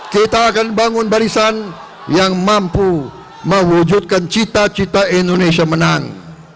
kita akan bangun barisan yang mampu mewujudkan cita cita indonesia menang